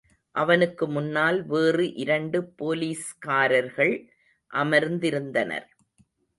அவனுக்கு முன்னால் வேறு இரண்டு போலிஸ்காரர்கள் அமர்ந்திருந்தனர்.